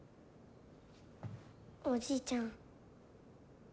おじいちゃん。